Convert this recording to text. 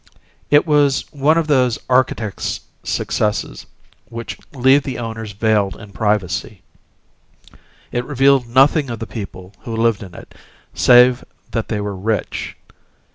It was one of those architects' successes which leave the owners veiled in privacy; it revealed nothing of the people who lived in it save that they were rich.